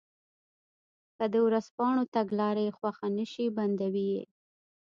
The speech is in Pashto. که د ورځپاڼو تګلاره یې خوښه نه شي بندوي یې.